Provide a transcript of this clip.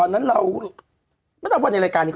นี่